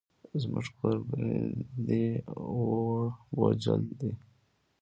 زموږ کورګی دی ووړ بوجل دی.